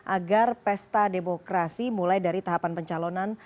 agar pesta demokrasi mulai dari tahapan pencalonan